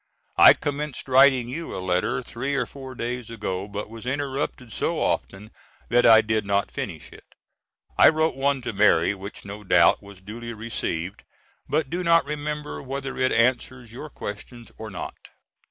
I commenced writing you a letter three or four days ago but was interrupted so often that I did not finish it. I wrote one to Mary which no doubt was duly received, but do not remember whether it answers your questions or not.